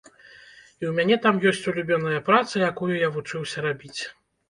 І ў мяне там ёсць улюбёная праца, якую я вучыўся рабіць.